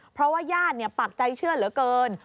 เพราะว่าญาติปักใจเชื่อเหลือเกิน